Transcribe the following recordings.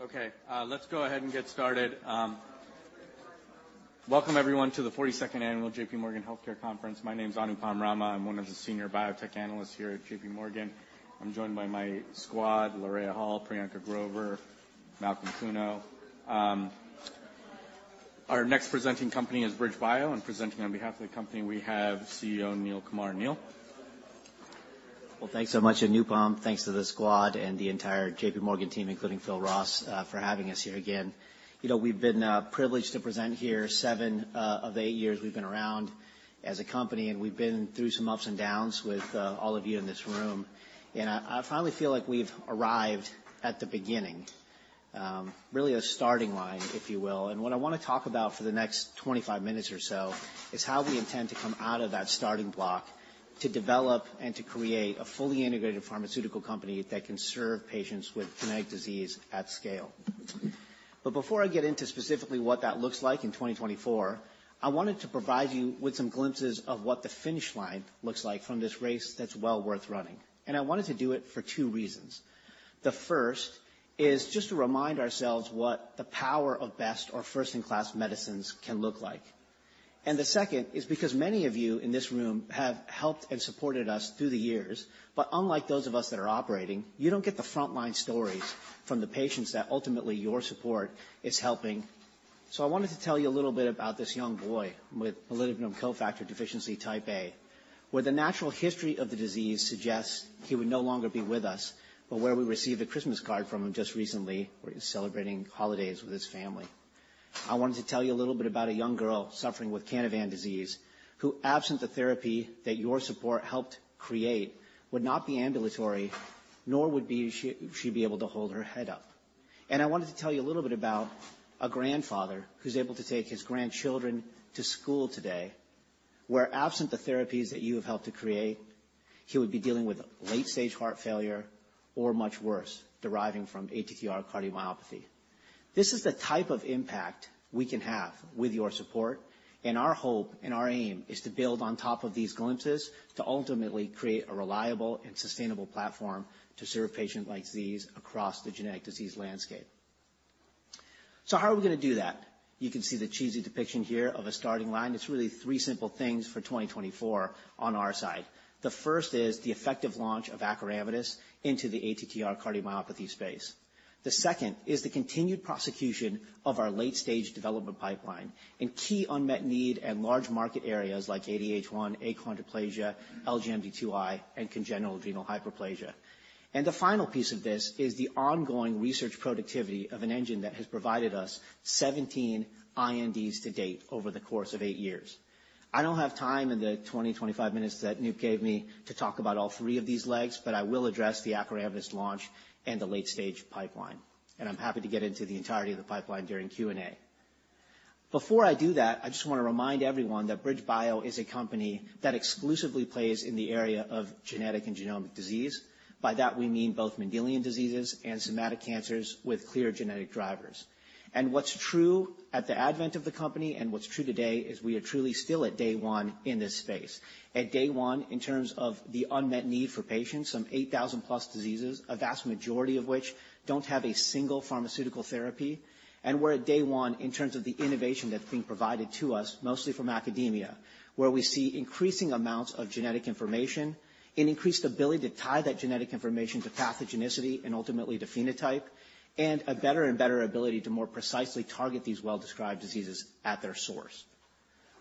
Oh, okay. Let's go ahead and get started. Welcome everyone, to the 42nd annual J.P. Morgan Healthcare Conference. My name's Anupam Rama. I'm one of the senior biotech analysts here at J.P. Morgan. I'm joined by my squad, Loryn Hall, Priyanka Grover, Malcolm Kuno. Our next presenting company is BridgeBio, and presenting on behalf of the company, we have CEO Neil Kumar. Neil? Well, thanks so much, Anupam. Thanks to the squad and the entire J.P. Morgan team, including Phil Ross, for having us here again. You know, we've been privileged to present here 7 of the 8 years we've been around as a company, and we've been through some ups and downs with all of you in this room. And I finally feel like we've arrived at the beginning, really a starting line, if you will. And what I wanna talk about for the next 25 minutes or so is how we intend to come out of that starting block to develop and to create a fully integrated pharmaceutical company that can serve patients with genetic disease at scale. Before I get into specifically what that looks like in 2024, I wanted to provide you with some glimpses of what the finish line looks like from this race that's well worth running. I wanted to do it for two reasons. The first is just to remind ourselves what the power of best or first-in-class medicines can look like. The second is because many of you in this room have helped and supported us through the years, but unlike those of us that are operating, you don't get the frontline stories from the patients that ultimately your support is helping. So I wanted to tell you a little bit about this young boy with molybdenum cofactor deficiency type A, where the natural history of the disease suggests he would no longer be with us, but where we received a Christmas card from him just recently, where he's celebrating holidays with his family. I wanted to tell you a little bit about a young girl suffering with Canavan disease, who, absent the therapy that your support helped create, would not be ambulatory, nor would she be able to hold her head up. And I wanted to tell you a little bit about a grandfather who's able to take his grandchildren to school today, where absent the therapies that you have helped to create, he would be dealing with late stage heart failure or much worse, deriving from ATTR cardiomyopathy. This is the type of impact we can have with your support, and our hope and our aim is to build on top of these glimpses to ultimately create a reliable and sustainable platform to serve patients like these across the genetic disease landscape. So how are we gonna do that? You can see the cheesy depiction here of a starting line. It's really 3 simple things for 2024 on our side. The first is the effective launch of acoramidis into the ATTR cardiomyopathy space. The second is the continued prosecution of our late-stage development pipeline in key unmet need and large market areas like ADH1, achondroplasia, LGMD2I, and congenital adrenal hyperplasia. And the final piece of this is the ongoing research productivity of an engine that has provided us 17 INDs to date over the course of 8 years. I don't have time in the 25 minutes that Anup gave me to talk about all three of these legs, but I will address the acoramidis launch and the late-stage pipeline, and I'm happy to get into the entirety of the pipeline during Q&A. Before I do that, I just want to remind everyone that BridgeBio is a company that exclusively plays in the area of genetic and genomic disease. By that, we mean both Mendelian diseases and somatic cancers with clear genetic drivers. What's true at the advent of the company and what's true today, is we are truly still at day one in this space. At day one, in terms of the unmet need for patients, some 8,000+ diseases, a vast majority of which don't have a single pharmaceutical therapy. We're at day one in terms of the innovation that's being provided to us, mostly from academia, where we see increasing amounts of genetic information, an increased ability to tie that genetic information to pathogenicity and ultimately to phenotype, and a better and better ability to more precisely target these well-described diseases at their source.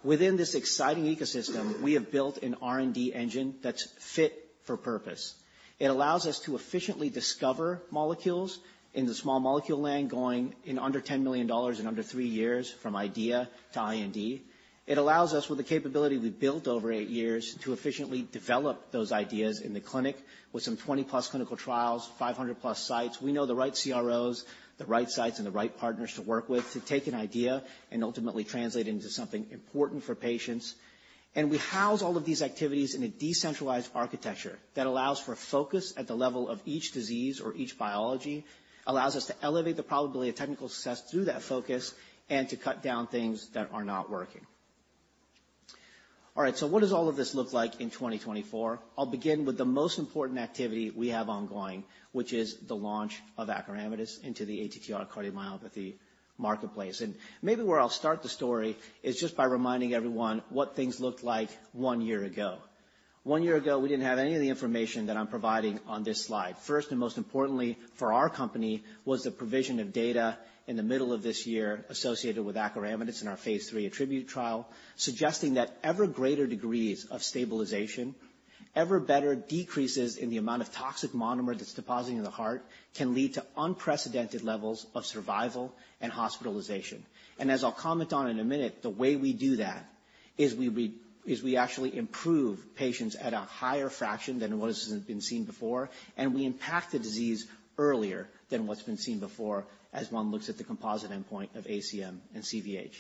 Within this exciting ecosystem, we have built an R&D engine that's fit for purpose. It allows us to efficiently discover molecules in the small molecule land, going in under $10 million in under 3 years from idea to IND. It allows us, with the capability we've built over 8 years, to efficiently develop those ideas in the clinic with some 20+ clinical trials, 500+ sites. We know the right CROs, the right sites, and the right partners to work with to take an idea and ultimately translate it into something important for patients. And we house all of these activities in a decentralized architecture that allows for focus at the level of each disease or each biology, allows us to elevate the probability of technical success through that focus and to cut down things that are not working. All right, so what does all of this look like in 2024? I'll begin with the most important activity we have ongoing, which is the launch of acoramidis into the ATTR cardiomyopathy marketplace. And maybe where I'll start the story is just by reminding everyone what things looked like one year ago. One year ago, we didn't have any of the information that I'm providing on this slide. First, and most importantly for our company, was the provision of data in the middle of this year associated with acoramidis in our phase 3 ATTRIBUTE trial, suggesting that ever greater degrees of stabilization, ever better decreases in the amount of toxic monomer that's depositing in the heart, can lead to unprecedented levels of survival and hospitalization. And as I'll comment on in a minute, the way we do that is we actually improve patients at a higher fraction than what has been seen before, and we impact the disease earlier than what's been seen before, as one looks at the composite endpoint of ACM and CVH.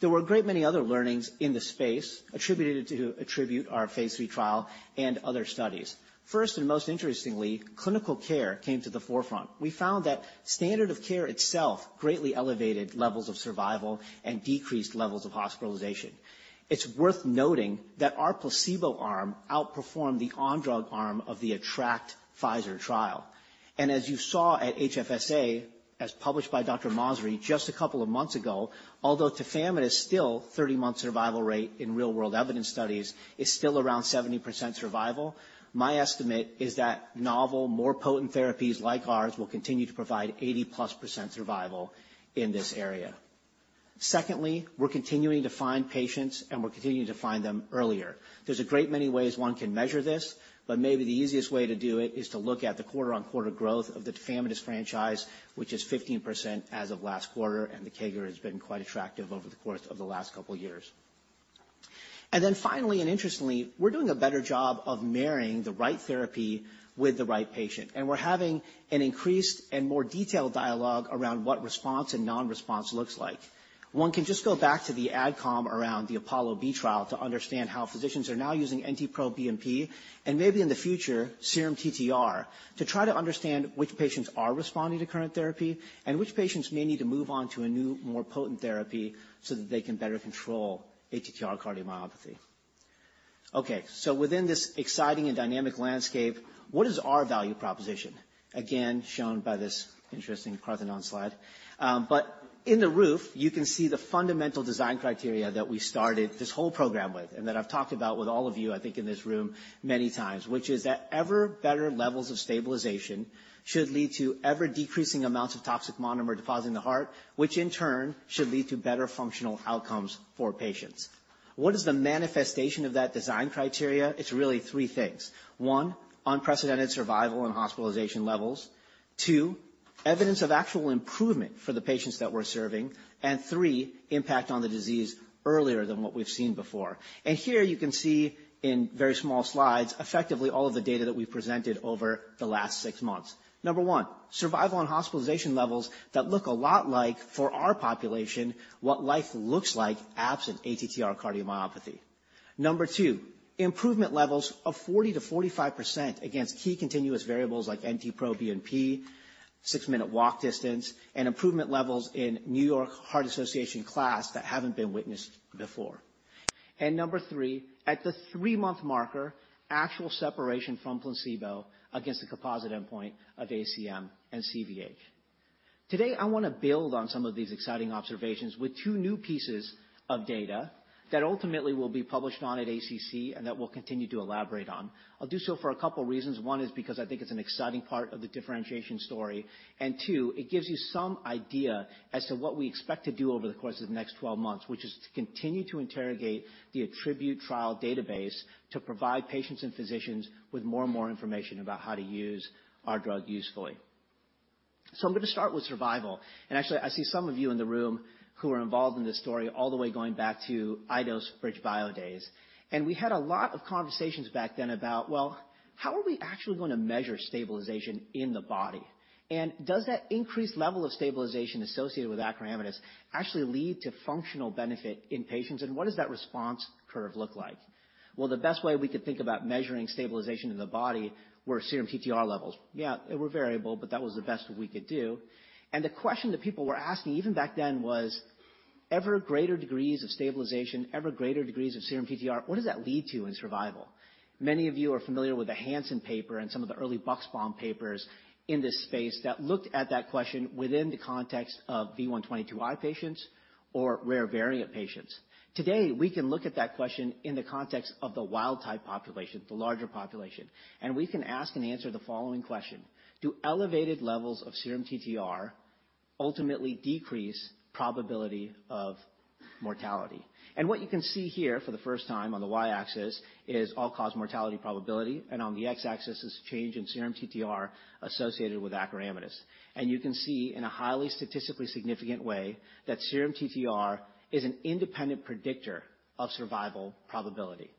There were a great many other learnings in the space attributed to ATTRIBUTE, our phase 3 trial and other studies. First, and most interestingly, clinical care came to the forefront. We found that standard of care itself greatly elevated levels of survival and decreased levels of hospitalization. It's worth noting that our placebo arm outperformed the on-drug arm of the ATTRACT Pfizer trial. As you saw at HFSA, as published by Dr. Masri, just a couple of months ago, although tafamidis still 30-month survival rate in real-world evidence studies is still around 70% survival, my estimate is that novel, more potent therapies like ours will continue to provide 80%+ survival in this area. Secondly, we're continuing to find patients, and we're continuing to find them earlier. There's a great many ways one can measure this, but maybe the easiest way to do it is to look at the quarter-on-quarter growth of the tafamidis franchise, which is 15% as of last quarter, and the CAGR has been quite attractive over the course of the last couple of years. And then finally, and interestingly, we're doing a better job of marrying the right therapy with the right patient, and we're having an increased and more detailed dialogue around what response and non-response looks like. One can just go back to the AdCom around the APOLLO-B trial to understand how physicians are now using NT-proBNP, and maybe in the future, serum TTR, to try to understand which patients are responding to current therapy and which patients may need to move on to a new, more potent therapy so that they can better control ATTR cardiomyopathy. Okay, so within this exciting and dynamic landscape, what is our value proposition? Again, shown by this interesting Parthenon slide. But in the roof, you can see the fundamental design criteria that we started this whole program with and that I've talked about with all of you, I think, in this room many times, which is that ever better levels of stabilization should lead to ever-decreasing amounts of toxic monomer depositing the heart, which in turn should lead to better functional outcomes for patients. What is the manifestation of that design criteria? It's really three things. One, unprecedented survival and hospitalization levels. Two, evidence of actual improvement for the patients that we're serving. And three, impact on the disease earlier than what we've seen before. And here you can see, in very small slides, effectively all of the data that we presented over the last six months. Number 1, survival and hospitalization levels that look a lot like, for our population, what life looks like absent ATTR cardiomyopathy. Number 2, improvement levels of 40%-45% against key continuous variables like NT-proBNP, six-minute walk distance, and improvement levels in New York Heart Association class that haven't been witnessed before. And number 3, at the 3-month marker, actual separation from placebo against the composite endpoint of ACM and CVH. Today, I want to build on some of these exciting observations with two new pieces of data that ultimately will be published on at ACC and that we'll continue to elaborate on. I'll do so for a couple of reasons. One is because I think it's an exciting part of the differentiation story. And two, it gives you some idea as to what we expect to do over the course of the next 12 months, which is to continue to interrogate the ATTRIBUTE trial database to provide patients and physicians with more and more information about how to use our drug usefully. So I'm going to start with survival, and actually, I see some of you in the room who are involved in this story all the way going back to Eidos BridgeBio days. And we had a lot of conversations back then about, well, how are we actually going to measure stabilization in the body? And does that increased level of stabilization associated with acoramidis actually lead to functional benefit in patients? And what does that response curve look like? Well, the best way we could think about measuring stabilization in the body were serum TTR levels. Yeah, they were variable, but that was the best we could do. And the question that people were asking, even back then, was, ever greater degrees of stabilization, ever greater degrees of serum TTR, what does that lead to in survival? Many of you are familiar with the Hansen paper and some of the early Buxbaum papers in this space that looked at that question within the context of V122I patients or rare variant patients. Today, we can look at that question in the context of the wild type population, the larger population, and we can ask and answer the following question: Do elevated levels of serum TTR ultimately decrease probability of mortality? And what you can see here for the first time on the Y-axis is all-cause mortality probability, and on the X-axis is change in serum TTR associated with acoramidis. And you can see in a highly statistically significant way that serum TTR is an independent predictor of survival probability.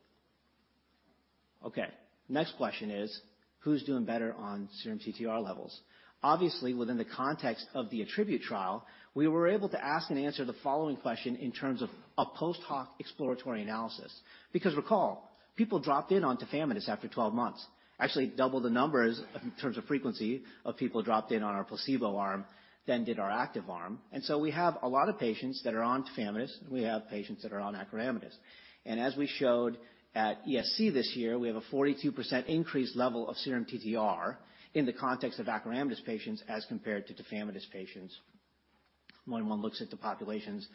Okay, next question is: Who's doing better on serum TTR levels? Obviously, within the context of the ATTRIBUTE trial, we were able to ask and answer the following question in terms of a post-hoc exploratory analysis. Because recall, people dropped in on tafamidis after 12 months. Actually, double the numbers in terms of frequency of people dropped in on our placebo arm than did our active arm. And so we have a lot of patients that are on tafamidis, and we have patients that are on acoramidis. And as we showed at ESC this year, we have a 42% increased level of serum TTR in the context of acoramidis patients as compared to tafamidis patients when one looks at the populations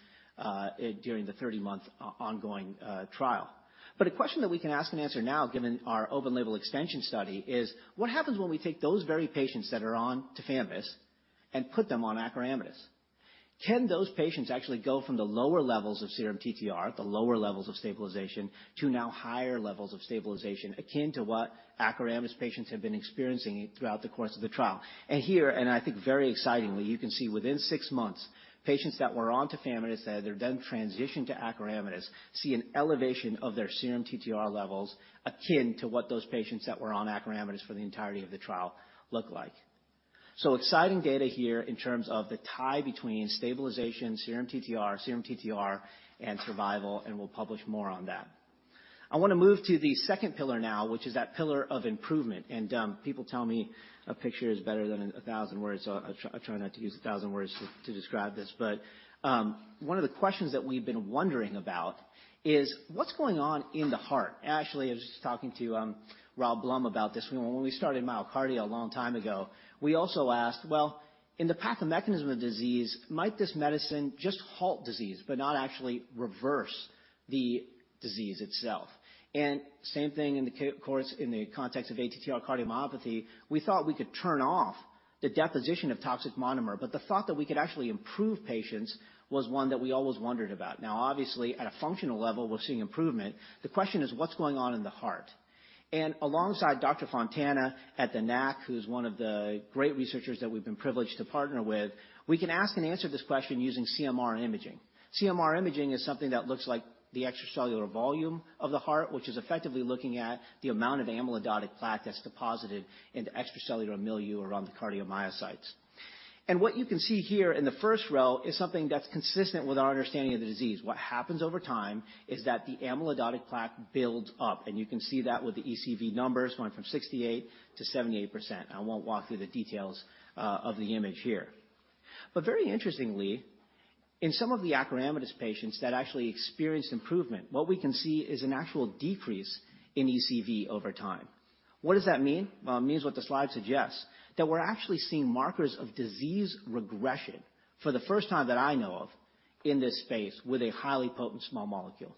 during the 30-month ongoing trial. But a question that we can ask and answer now, given our open label extension study, is: What happens when we take those very patients that are on tafamidis and put them on acoramidis? Can those patients actually go from the lower levels of serum TTR, the lower levels of stabilization, to now higher levels of stabilization, akin to what acoramidis patients have been experiencing throughout the course of the trial? And here, and I think very excitingly, you can see within six months, patients that were on tafamidis, that they're then transitioned to acoramidis, see an elevation of their serum TTR levels, akin to what those patients that were on acoramidis for the entirety of the trial looked like.... So exciting data here in terms of the tie between stabilization, serum TTR, serum TTR, and survival, and we'll publish more on that. I wanna move to the second pillar now, which is that pillar of improvement. And, people tell me a picture is better than a thousand words, so I'll try not to use a thousand words to describe this. But, one of the questions that we've been wondering about is: What's going on in the heart? Actually, I was just talking to Rob Blum about this. When we started MyoKardia a long time ago, we also asked, "Well, in the pathomechanism of disease, might this medicine just halt disease but not actually reverse the disease itself?" And same thing in the course, in the context of ATTR cardiomyopathy, we thought we could turn off the deposition of toxic monomer, but the thought that we could actually improve patients was one that we always wondered about. Now, obviously, at a functional level, we're seeing improvement. The question is: What's going on in the heart? And alongside Dr. Fontana at the NAC, who's one of the great researchers that we've been privileged to partner with, we can ask and answer this question using CMR imaging. CMR imaging is something that looks like the extracellular volume of the heart, which is effectively looking at the amount of amyloidotic plaque that's deposited into extracellular milieu around the cardiomyocytes. And what you can see here in the first row is something that's consistent with our understanding of the disease. What happens over time is that the amyloidotic plaque builds up, and you can see that with the ECV numbers going from 68%-78%. I won't walk through the details of the image here. But very interestingly, in some of the acoramidis patients that actually experienced improvement, what we can see is an actual decrease in ECV over time. What does that mean? Well, it means what the slide suggests, that we're actually seeing markers of disease regression for the first time that I know of in this space with a highly potent small molecule.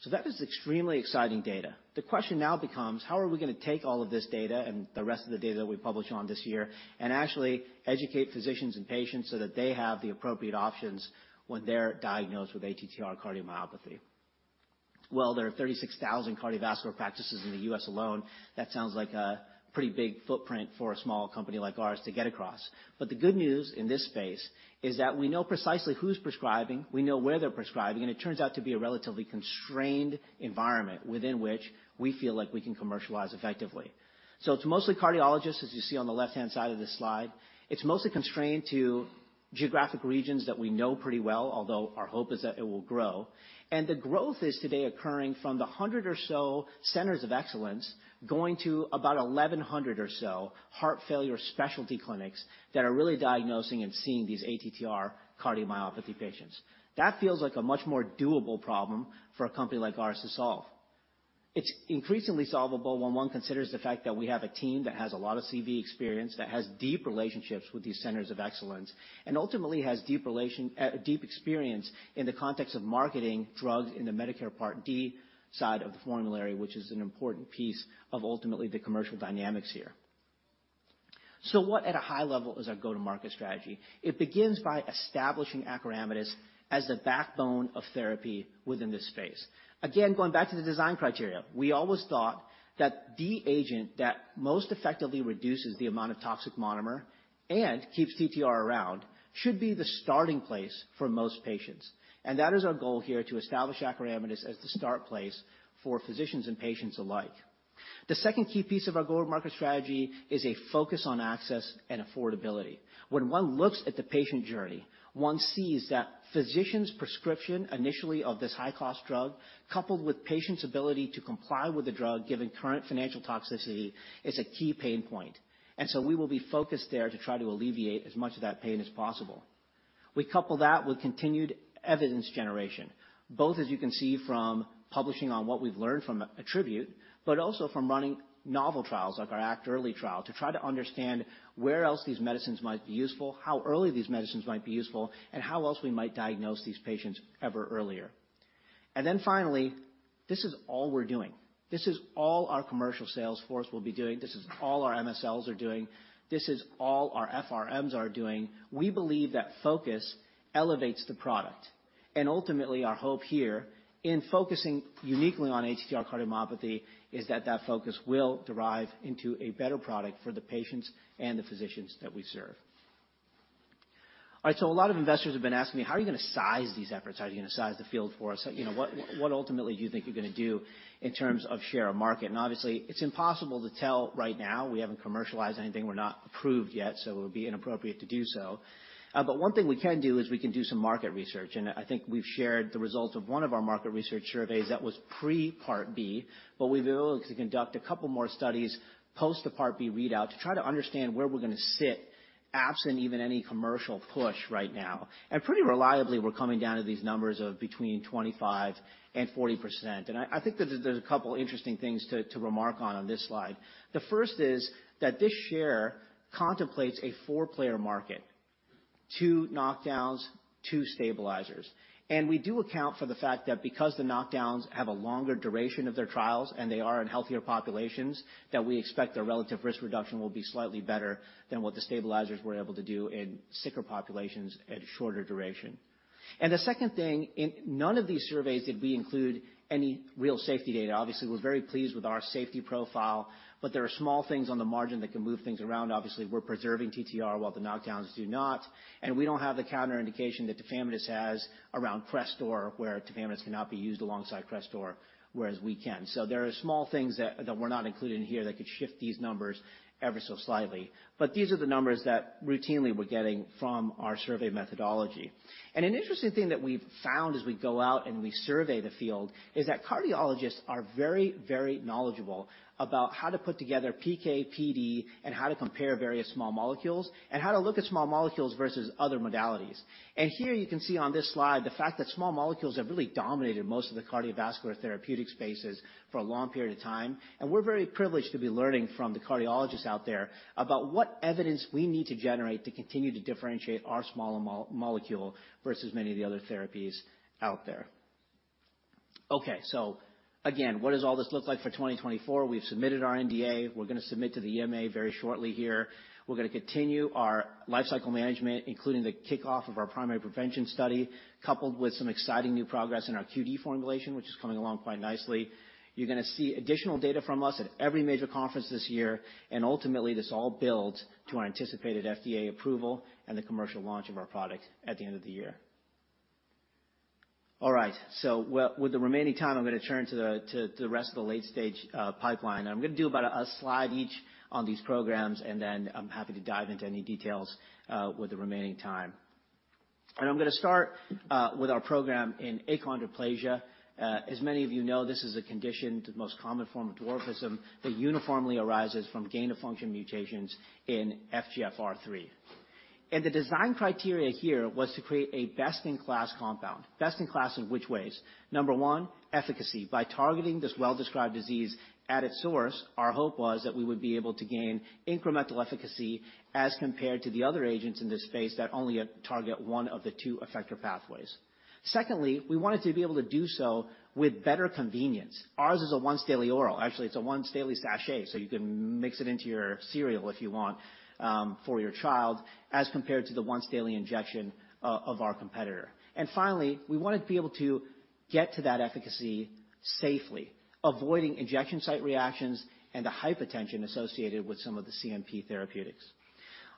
So that is extremely exciting data. The question now becomes: How are we gonna take all of this data and the rest of the data that we publish on this year and actually educate physicians and patients so that they have the appropriate options when they're diagnosed with ATTR cardiomyopathy? Well, there are 36,000 cardiovascular practices in the U.S. alone. That sounds like a pretty big footprint for a small company like ours to get across. But the good news, in this space, is that we know precisely who's prescribing, we know where they're prescribing, and it turns out to be a relatively constrained environment within which we feel like we can commercialize effectively. So it's mostly cardiologists, as you see on the left-hand side of this slide. It's mostly constrained to geographic regions that we know pretty well, although our hope is that it will grow. And the growth is today occurring from the 100 or so centers of excellence, going to about 1,100 or so heart failure specialty clinics that are really diagnosing and seeing these ATTR cardiomyopathy patients. That feels like a much more doable problem for a company like ours to solve. It's increasingly solvable when one considers the fact that we have a team that has a lot of CV experience, that has deep relationships with these centers of excellence, and ultimately has deep experience in the context of marketing drugs in the Medicare Part D side of the formulary, which is an important piece of ultimately the commercial dynamics here. So what at a high level is our go-to-market strategy? It begins by establishing acoramidis as the backbone of therapy within this space. Again, going back to the design criteria, we always thought that the agent that most effectively reduces the amount of toxic monomer and keeps TTR around should be the starting place for most patients. And that is our goal here, to establish acoramidis as the start place for physicians and patients alike. The second key piece of our go-to-market strategy is a focus on access and affordability. When one looks at the patient journey, one sees that physicians' prescription initially of this high-cost drug, coupled with patients' ability to comply with the drug, given current financial toxicity, is a key pain point, and so we will be focused there to try to alleviate as much of that pain as possible. We couple that with continued evidence generation, both, as you can see from publishing on what we've learned from ATTRIBUTE, but also from running novel trials, like our ACT-EARLY trial, to try to understand where else these medicines might be useful, how early these medicines might be useful, and how else we might diagnose these patients ever earlier. And then finally, this is all we're doing. This is all our commercial sales force will be doing. This is all our MSLs are doing. This is all our FRMs are doing. We believe that focus elevates the product, and ultimately, our hope here in focusing uniquely on ATTR cardiomyopathy, is that that focus will derive into a better product for the patients and the physicians that we serve. All right, so a lot of investors have been asking me: "How are you gonna size these efforts? How are you gonna size the field for us? You know, what, what ultimately do you think you're gonna do in terms of share of market?" And obviously, it's impossible to tell right now. We haven't commercialized anything. We're not approved yet, so it would be inappropriate to do so. But one thing we can do is we can do some market research, and I think we've shared the results of one of our market research surveys that was pre-Part B, but we've been able to conduct a couple more studies post the Part B readout to try to understand where we're gonna sit, absent even any commercial push right now. Pretty reliably, we're coming down to these numbers of between 25% and 40%. I think that there's a couple interesting things to remark on this slide. The first is that this share contemplates a four-player market... two knockdowns, two stabilizers. We do account for the fact that because the knockdowns have a longer duration of their trials, and they are in healthier populations, that we expect their relative risk reduction will be slightly better than what the stabilizers were able to do in sicker populations at shorter duration. The second thing, in none of these surveys, did we include any real safety data. Obviously, we're very pleased with our safety profile, but there are small things on the margin that can move things around. Obviously, we're preserving TTR while the knockdowns do not, and we don't have the counterindication that tafamidis has around Crestor, where tafamidis cannot be used alongside Crestor, whereas we can. There are small things that were not included in here that could shift these numbers ever so slightly, but these are the numbers that routinely we're getting from our survey methodology. An interesting thing that we've found as we go out and we survey the field is that cardiologists are very, very knowledgeable about how to put together PK/PD and how to compare various small molecules, and how to look at small molecules versus other modalities. Here you can see on this slide, the fact that small molecules have really dominated most of the cardiovascular therapeutic spaces for a long period of time. We're very privileged to be learning from the cardiologists out there about what evidence we need to generate to continue to differentiate our small molecule versus many of the other therapies out there. Okay, so again, what does all this look like for 2024? We've submitted our NDA. We're gonna submit to the EMA very shortly here. We're gonna continue our lifecycle management, including the kickoff of our primary prevention study, coupled with some exciting new progress in our QD formulation, which is coming along quite nicely. You're gonna see additional data from us at every major conference this year, and ultimately, this all builds to our anticipated FDA approval and the commercial launch of our product at the end of the year. All right, with the remaining time, I'm gonna turn to the rest of the late-stage pipeline. I'm gonna do about a slide each on these programs, and then I'm happy to dive into any details with the remaining time. And I'm gonna start with our program in achondroplasia. As many of you know, this is a condition, the most common form of dwarfism, that uniformly arises from gain-of-function mutations in FGFR3. The design criteria here was to create a best-in-class compound. Best in class in which ways? Number one, efficacy. By targeting this well-described disease at its source, our hope was that we would be able to gain incremental efficacy as compared to the other agents in this space that only target one of the two effector pathways. Secondly, we wanted to be able to do so with better convenience. Ours is a once daily oral. Actually, it's a once daily sachet, so you can mix it into your cereal if you want for your child, as compared to the once daily injection of our competitor. And finally, we wanted to be able to get to that efficacy safely, avoiding injection site reactions and the hypotension associated with some of the CNP therapeutics.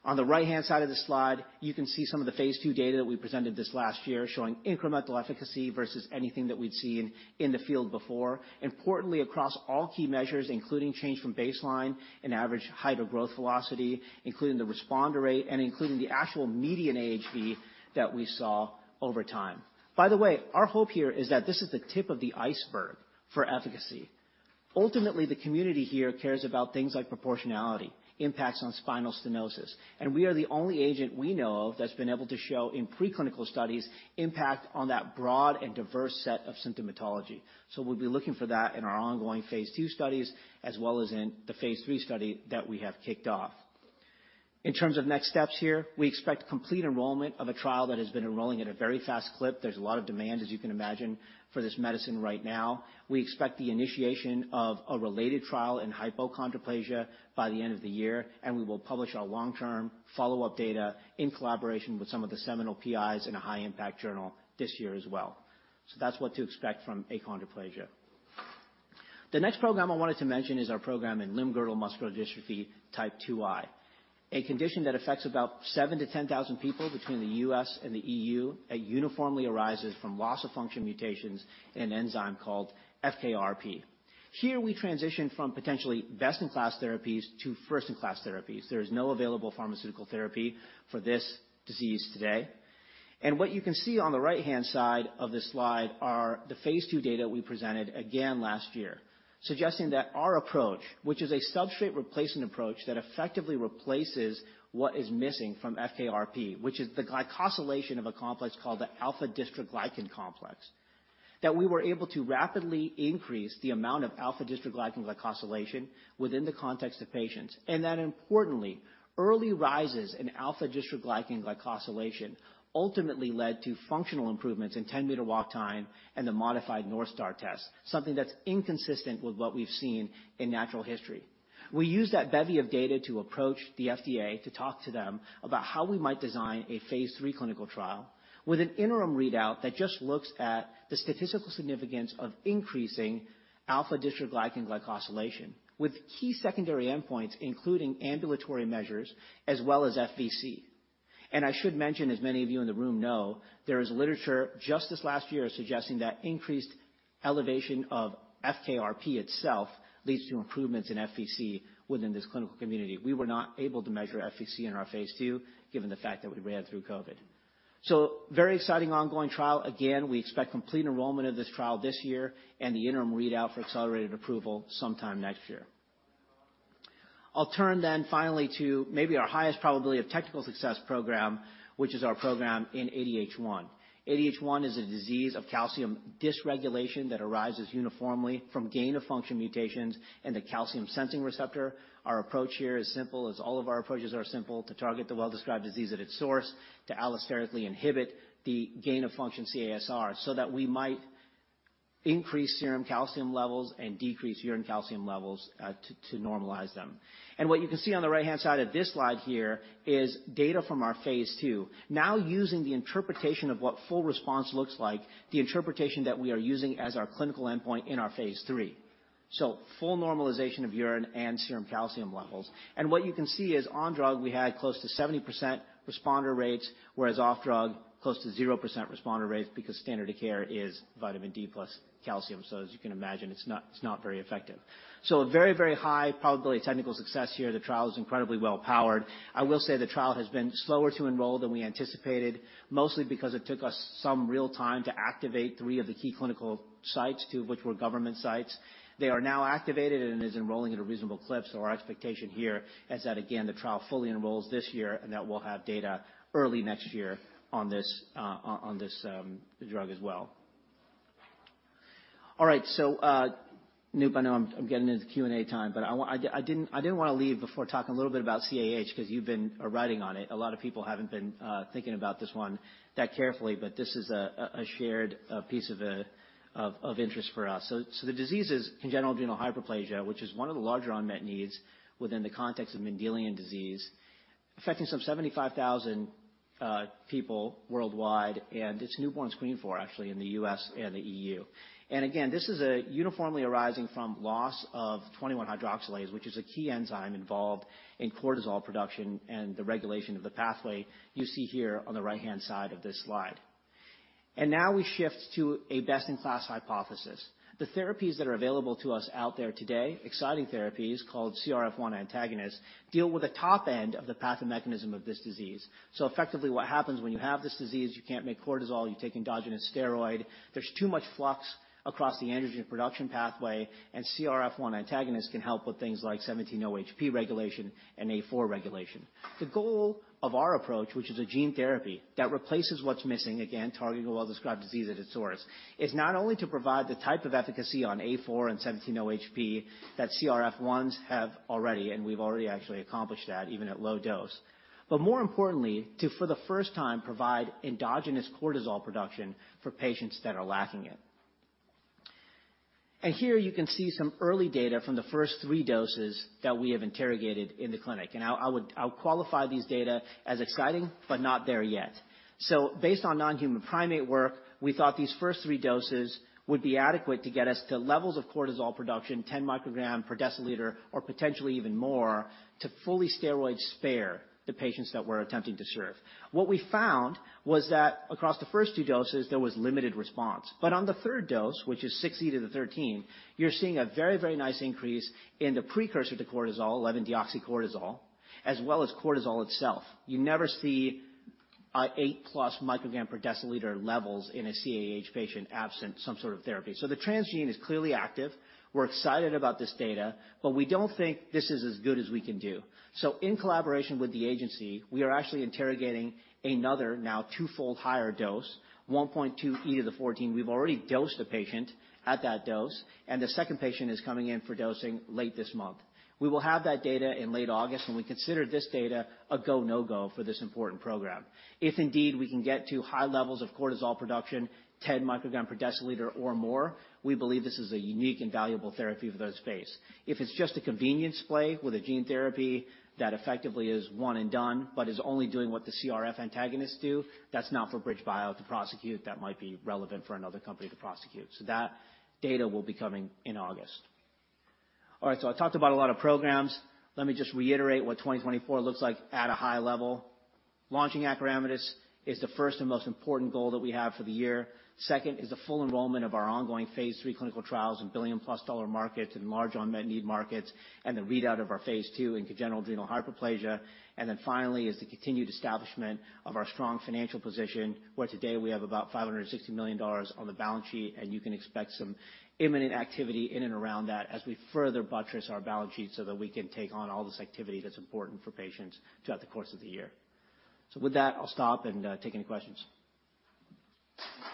On the right-hand side of the slide, you can see some of the phase 2 data that we presented this last year showing incremental efficacy versus anything that we'd seen in the field before. Importantly, across all key measures, including change from baseline and average height of growth velocity, including the responder rate and including the actual median AHV that we saw over time. By the way, our hope here is that this is the tip of the iceberg for efficacy. Ultimately, the community here cares about things like proportionality, impacts on spinal stenosis, and we are the only agent we know of that's been able to show in preclinical studies, impact on that broad and diverse set of symptomatology. So we'll be looking for that in our ongoing phase 2 studies, as well as in the phase 3 study that we have kicked off. In terms of next steps here, we expect complete enrollment of a trial that has been enrolling at a very fast clip. There's a lot of demand, as you can imagine, for this medicine right now. We expect the initiation of a related trial in hypochondroplasia by the end of the year, and we will publish our long-term follow-up data in collaboration with some of the seminal PIs in a high-impact journal this year as well. So that's what to expect from achondroplasia. The next program I wanted to mention is our program in limb-girdle muscular dystrophy type 2I, a condition that affects about 7,000-10,000 people between the US and the EU, that uniformly arises from loss-of-function mutations in an enzyme called FKRP. Here, we transition from potentially best-in-class therapies to first-in-class therapies. There is no available pharmaceutical therapy for this disease today. What you can see on the right-hand side of this slide are the phase 2 data we presented again last year, suggesting that our approach, which is a substrate replacement approach that effectively replaces what is missing from FKRP, which is the glycosylation of a complex called the alpha-dystroglycan complex, that we were able to rapidly increase the amount of alpha-dystroglycan glycosylation within the context of patients. And that importantly, early rises in alpha-dystroglycan glycosylation ultimately led to functional improvements in 10-meter walk time and the modified North Star test, something that's inconsistent with what we've seen in natural history. We used that bevy of data to approach the FDA to talk to them about how we might design a phase 3 clinical trial with an interim readout that just looks at the statistical significance of increasing alpha-dystroglycan glycosylation, with key secondary endpoints, including ambulatory measures as well as FVC. And I should mention, as many of you in the room know, there is literature just this last year suggesting that increased elevation of FKRP itself leads to improvements in FVC within this clinical community. We were not able to measure FVC in our phase 2, given the fact that we ran through COVID. So very exciting ongoing trial. Again, we expect complete enrollment of this trial this year and the interim readout for accelerated approval sometime next year. I'll turn then finally to maybe our highest probability of technical success program, which is our program in ADH1. ADH1 is a disease of calcium dysregulation that arises uniformly from gain-of-function mutations in the calcium sensing receptor. Our approach here is simple, as all of our approaches are simple, to target the well-described disease at its source, to allosterically inhibit the gain of function CaSR, so that we might increase serum calcium levels and decrease urine calcium levels, to normalize them. And what you can see on the right-hand side of this slide here is data from our phase 2. Now using the interpretation of what full response looks like, the interpretation that we are using as our clinical endpoint in our phase 3. So full normalization of urine and serum calcium levels. And what you can see is on drug, we had close to 70% responder rates, whereas off-drug, close to 0% responder rates because standard of care is vitamin D plus calcium. So as you can imagine, it's not, it's not very effective. So a very, very high probability of technical success here. The trial is incredibly well powered. I will say the trial has been slower to enroll than we anticipated, mostly because it took us some real time to activate three of the key clinical sites, two of which were government sites. They are now activated and is enrolling at a reasonable clip. So our expectation here is that, again, the trial fully enrolls this year and that we'll have data early next year on this drug as well. All right. So, Anup, I know I'm getting into the Q&A time, but I want... I didn't, I didn't wanna leave before talking a little bit about CAH because you've been riding on it. A lot of people haven't been thinking about this one that carefully, but this is a shared piece of interest for us. The disease is congenital adrenal hyperplasia, which is one of the larger unmet needs within the context of Mendelian disease, affecting some 75,000 people worldwide, and it's newborn screened for actually in the U.S. and the E.U. Again, this is uniformly arising from loss of 21-hydroxylase, which is a key enzyme involved in cortisol production and the regulation of the pathway you see here on the right-hand side of this slide. Now we shift to a best-in-class hypothesis. The therapies that are available to us out there today, exciting therapies called CRF1 antagonist, deal with the top end of the pathomechanism of this disease. So effectively, what happens when you have this disease, you can't make cortisol, you take endogenous steroid. There's too much flux across the androgen production pathway, and CRF1 antagonist can help with things like 17-OHP regulation and A4 regulation. The goal of our approach, which is a gene therapy that replaces what's missing, again, targeting a well-described disease at its source, is not only to provide the type of efficacy on A4 and 17-OHP that CRF1s have already, and we've already actually accomplished that, even at low dose. But more importantly, to, for the first time, provide endogenous cortisol production for patients that are lacking it. And here you can see some early data from the first three doses that we have interrogated in the clinic, and I, I would... I'll qualify these data as exciting but not there yet. So based on non-human primate work, we thought these first three doses would be adequate to get us to levels of cortisol production, 10 micrograms per deciliter or potentially even more, to fully steroid spare the patients that we're attempting to serve. What we found was that across the first two doses, there was limited response. But on the third dose, which is 6 × 10^13, you're seeing a very, very nice increase in the precursor to cortisol, 11-deoxycortisol, as well as cortisol itself. You never see 8+ micrograms per deciliter levels in a CAH patient absent some sort of therapy. So the transgene is clearly active. We're excited about this data, but we don't think this is as good as we can do. So in collaboration with the agency, we are actually interrogating another now twofold higher dose, 1.2 × 10^14. We've already dosed a patient at that dose, and the second patient is coming in for dosing late this month. We will have that data in late August, and we consider this data a go, no-go for this important program. If indeed we can get to high levels of cortisol production, 10 microgram per deciliter or more, we believe this is a unique and valuable therapy for those patients. If it's just a convenience play with a gene therapy that effectively is one and done, but is only doing what the CRF antagonists do, that's not for BridgeBio to prosecute. That might be relevant for another company to prosecute. So that data will be coming in August. All right, so I talked about a lot of programs. Let me just reiterate what 2024 looks like at a high level. Launching acoramidis is the first and most important goal that we have for the year. Second is the full enrollment of our ongoing phase 3 clinical trials in billion-plus-dollar markets and large unmet need markets, and the readout of our phase 2 in congenital adrenal hyperplasia. And then finally, is the continued establishment of our strong financial position, where today we have about $560 million on the balance sheet, and you can expect some imminent activity in and around that as we further buttress our balance sheet so that we can take on all this activity that's important for patients throughout the course of the year. So with that, I'll stop and take any questions. Thanks, Neil. I just wanna remind folks that there's three ways to ask a question. Old school, raise your hand, I'll call on you. There's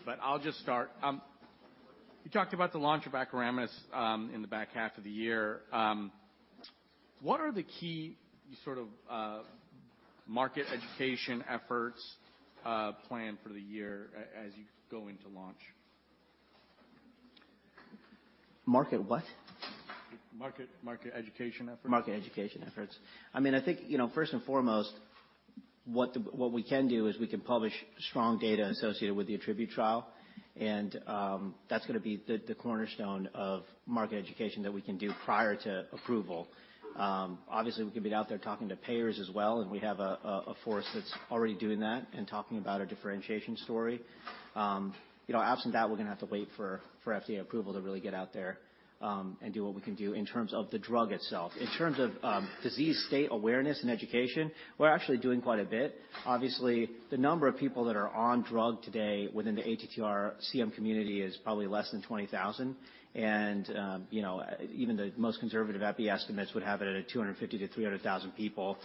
a portal here where you can ask questions, and... or you can just email me. But I'll just start. You talked about the launch of acoramidis in the back half of the year. What are the key sort of market education efforts planned for the year as you go into launch? Market what? Market education efforts. Market education efforts. I mean, I think, you know, first and foremost, what we can do is we can publish strong data associated with the ATTRIBUTE trial, and that's gonna be the cornerstone of market education that we can do prior to approval. Obviously, we can be out there talking to payers as well, and we have a force that's already doing that and talking about a differentiation story. You know, absent that, we're gonna have to wait for FDA approval to really get out there and do what we can do in terms of the drug itself. In terms of disease state awareness and education, we're actually doing quite a bit. Obviously, the number of people that are on drug today within the ATTR-CM community is probably less than 20,000. You know, even the most conservative epi estimates would have it at 250,000-300,000 people,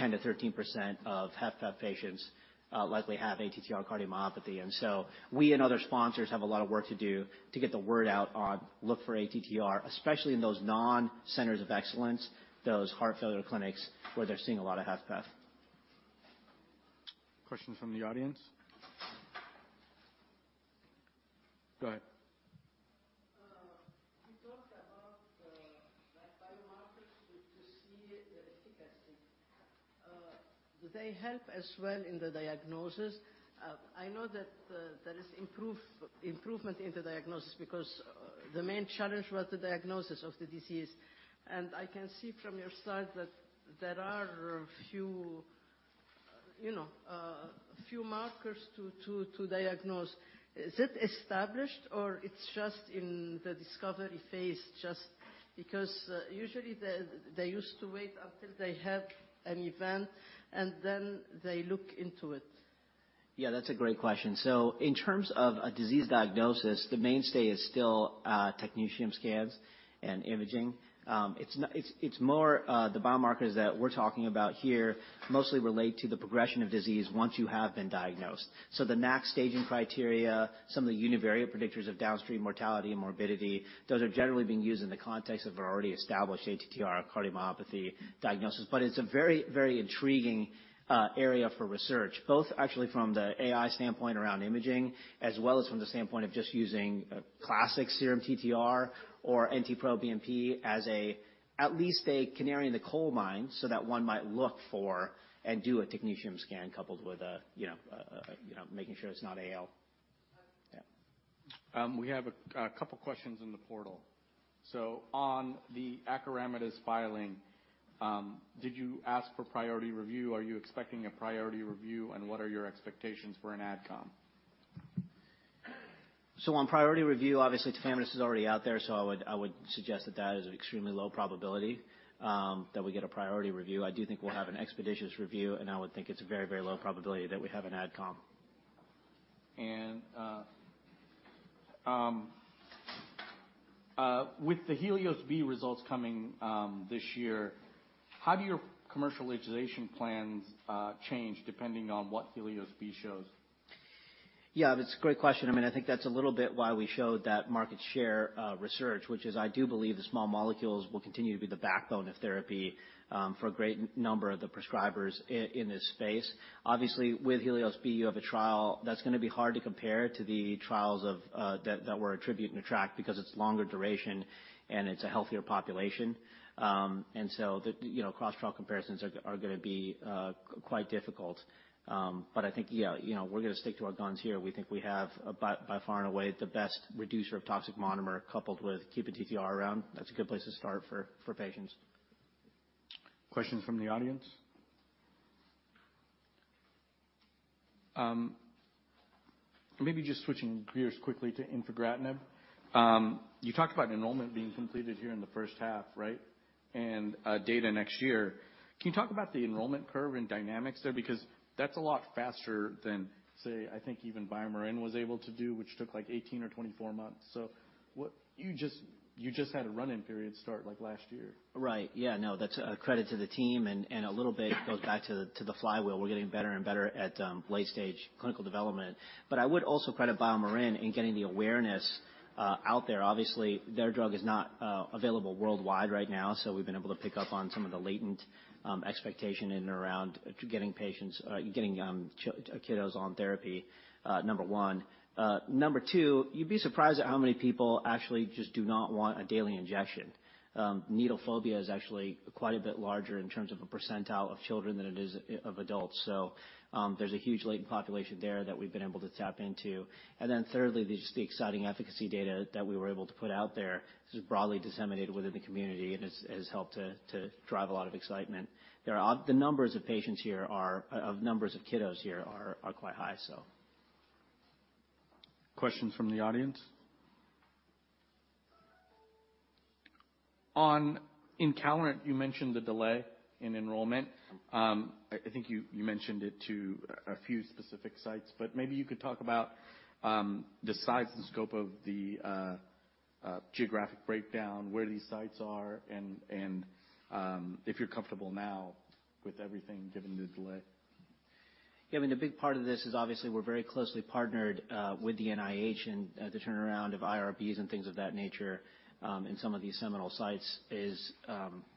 10%-13% of HFpEF patients likely have ATTR cardiomyopathy. So we and other sponsors have a lot of work to do to get the word out on look for ATTR, especially in those non-centers of excellence, those heart failure clinics, where they're seeing a lot of HFpEF. Questions from the audience? Go ahead.... like biomarkers to see the efficacy. Do they help as well in the diagnosis? I know that there is improvement in the diagnosis because the main challenge was the diagnosis of the disease. And I can see from your side that there are a few, you know, few markers to diagnose. Is it established or it's just in the discovery phase, just because usually they used to wait until they have an event and then they look into it? Yeah, that's a great question. So in terms of a disease diagnosis, the mainstay is still technetium scans and imaging. It's more the biomarkers that we're talking about here mostly relate to the progression of disease once you have been diagnosed. So the NAC staging criteria, some of the univariate predictors of downstream mortality and morbidity, those are generally being used in the context of an already established ATTR cardiomyopathy diagnosis. But it's a very, very intriguing area for research, both actually from the AI standpoint around imaging, as well as from the standpoint of just using a classic serum TTR or NT-proBNP as at least a canary in the coal mine, so that one might look for and do a technetium scan coupled with a, you know, making sure it's not AL. Yeah. We have a couple questions in the portal. So on the acoramidis filing, did you ask for priority review? Are you expecting a priority review, and what are your expectations for an adcom? So on priority review, obviously, tafamidis is already out there, so I would, I would suggest that that is an extremely low probability that we get a priority review. I do think we'll have an expeditious review, and I would think it's a very, very low probability that we have an Ad Com. With the HELIOS-B results coming this year, how do your commercialization plans change depending on what HELIOS-B shows? Yeah, that's a great question. I mean, I think that's a little bit why we showed that market share research, which is, I do believe the small molecules will continue to be the backbone of therapy for a great number of the prescribers in this space. Obviously, with HELIOS-B, you have a trial that's gonna be hard to compare to the trials of that that we're attributing to TRK because it's longer duration and it's a healthier population. And so the, you know, cross-trial comparisons are gonna be quite difficult. But I think, yeah, you know, we're gonna stick to our guns here. We think we have by far and away, the best reducer of toxic monomer coupled with keeping TTR around. That's a good place to start for patients. Questions from the audience? Maybe just switching gears quickly to infigratinib. You talked about enrollment being completed here in the first half, right? And data next year. Can you talk about the enrollment curve and dynamics there? Because that's a lot faster than, say, I think even BioMarin was able to do, which took, like, 18 or 24 months. So what... You just had a run-in period start, like, last year. Right. Yeah, no, that's a credit to the team, and a little bit goes back to the flywheel. We're getting better and better at late-stage clinical development. But I would also credit BioMarin in getting the awareness out there. Obviously, their drug is not available worldwide right now, so we've been able to pick up on some of the latent expectation in and around getting patients getting kiddos on therapy, number one. Number two, you'd be surprised at how many people actually just do not want a daily injection. Needle phobia is actually quite a bit larger in terms of a percentile of children than it is of adults. So, there's a huge latent population there that we've been able to tap into. And then thirdly, just the exciting efficacy data that we were able to put out there. This is broadly disseminated within the community and has helped to drive a lot of excitement. The numbers of patients here are quite high. The numbers of kiddos here are quite high, so. Questions from the audience? On encaleret, you mentioned the delay in enrollment. I think you mentioned it to a few specific sites, but maybe you could talk about the size and scope of the geographic breakdown, where these sites are, and if you're comfortable now with everything, given the delay. Yeah, I mean, the big part of this is obviously we're very closely partnered with the NIH and the turnaround of IRBs and things of that nature in some of these seminal sites is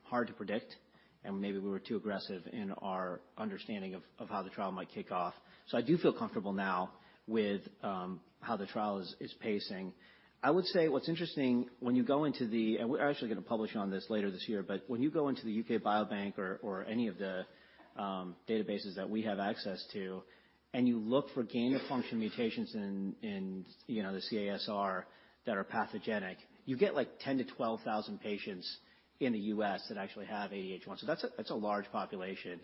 hard to predict, and maybe we were too aggressive in our understanding of how the trial might kick off. So I do feel comfortable now with how the trial is pacing. I would say what's interesting when you go into the... And we're actually gonna publish on this later this year, but when you go into the UK Biobank or any of the databases that we have access to, and you look for gain-of-function mutations in the CaSR that are pathogenic, you get, like, 10,000-12,000 patients in the US that actually have ADH1. So that's a large population.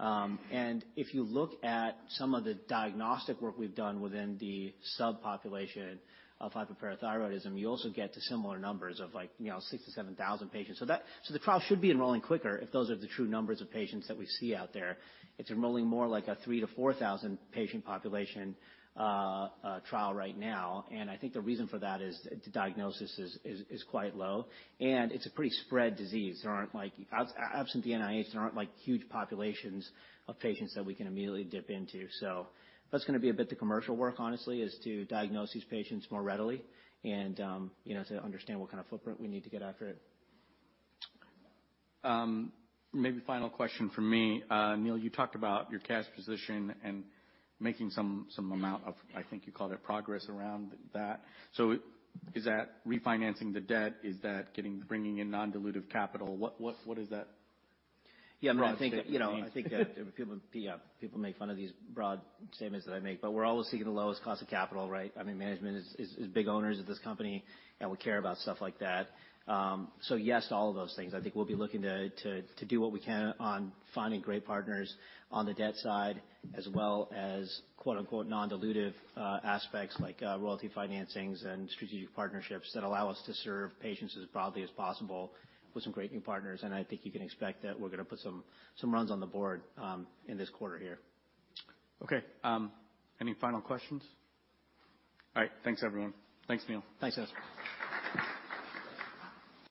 And if you look at some of the diagnostic work we've done within the subpopulation of hypoparathyroidism, you also get to similar numbers of, like, you know, 6-7 thousand patients. So the trial should be enrolling quicker if those are the true numbers of patients that we see out there. It's enrolling more like a 3-4 thousand patient population trial right now, and I think the reason for that is the diagnosis is quite low, and it's a pretty spread disease. There aren't like, absent the NIH, there aren't like huge populations of patients that we can immediately dip into. So that's gonna be a bit the commercial work, honestly, is to diagnose these patients more readily and, you know, to understand what kind of footprint we need to get after it. Maybe final question from me. Neil, you talked about your cash position and making some, some amount of, I think you called it progress around that. So is that refinancing the debt? Is that getting, bringing in non-dilutive capital? What, what, what is that? Yeah, I mean, I think, you know, people make fun of these broad statements that I make, but we're always seeking the lowest cost of capital, right? I mean, management is big owners of this company, and we care about stuff like that. So yes, to all of those things. I think we'll be looking to do what we can on finding great partners on the debt side, as well as "non-dilutive" aspects like royalty financings and strategic partnerships that allow us to serve patients as broadly as possible with some great new partners. And I think you can expect that we're gonna put some runs on the board in this quarter here. Okay. Any final questions? All right. Thanks, everyone. Thanks, Neil. Thanks, guys.